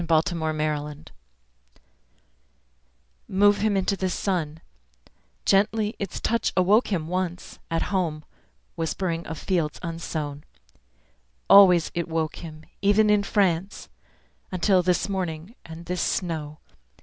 Wilfred Owen Futility HMove him into the sun Gently its touch awoke him once, At home, whispering of fields unsown. Always it woke him, even in France, Until this morning, and this snow.